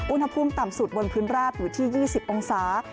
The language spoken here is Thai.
อุณหภูมิต่ำสุดบนพื้นราบอยู่ที่๒๐องศา